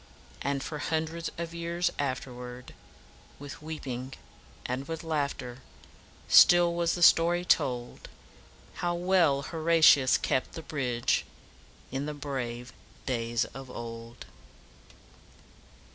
And for hundreds of years afterwards "With weeping and with laugh ter, Still was the story told, How well Horatius kept the bridge In the brave days of old."